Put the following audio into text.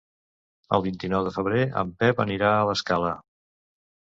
El vint-i-nou de febrer en Pep anirà a l'Escala.